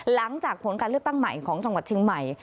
หลังจากผลการเลือกตั้งใหม่ของจังหวัดเชียงใหม่